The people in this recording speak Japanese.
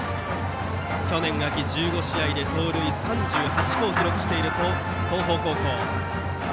去年秋、１５試合で盗塁３８個を記録している東邦高校。